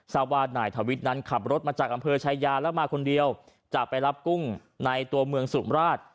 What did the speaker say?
ทราบว่านายทวิทย์นั้นขับรถมาจากอำเภอชายาแล้วมาคนเดียวจะไปรับกุ้งในตัวเมืองสุมราช